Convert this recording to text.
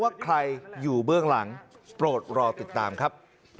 ว่าใครอยู่เบื้องหลังโปรดรอติดตามครับ